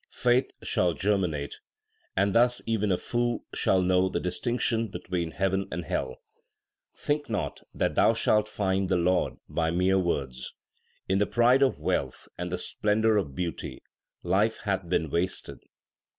Faith shall germinate, and thus even a fool shall know the distinction between heaven and hell. Think not that thou shalt find the Lord by mere words. In the pride of wealth and the splendour of beauty life hath been wasted.